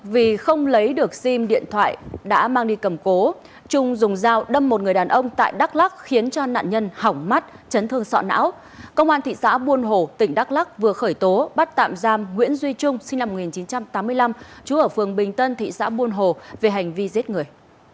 vì không lấy được sim điện thoại đã mang đi cầm cố trung dùng dao đâm một người đàn ông tại đắk lắc khiến cho nạn nhân hỏng mắt chấn thương sọ não công an thị xã buôn hồ tỉnh đắk lắc vừa khởi tố bắt tạm giam nguyễn duy trung sinh năm một nghìn chín trăm tám mươi năm trú ở phường bình tân thị xã buôn hồ về hành vi giết người